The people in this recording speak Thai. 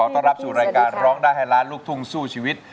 ต้อนรับสู่รายการร้องได้ให้ล้านลูกทุ่งสู้ชีวิต